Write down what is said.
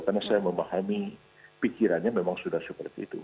karena saya memahami pikirannya memang sudah seperti itu